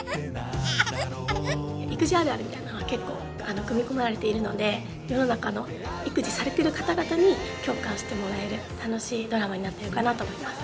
育児あるあるみたいなのが結構組み込まれているので世の中の育児されてる方々に共感してもらえる楽しいドラマになってるかなと思います。